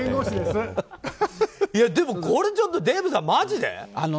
でもこれちょっとデーブさんマジで？